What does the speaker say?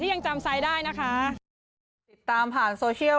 ยังจำกันได้